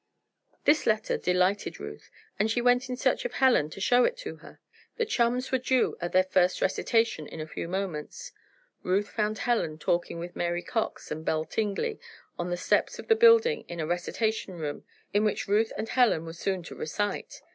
This letter delighted Ruth, and she went in search of Helen to show it to her. The chums were due at their first recitation in a very few moments. Ruth found Helen talking with Mary Cox and Belle Tingley on the steps of the building in a recitation room in which Ruth and Helen were soon to recite.